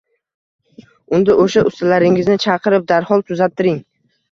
— Unda, o‘sha ustalaringizni chaqirib, darhol tuzattiring!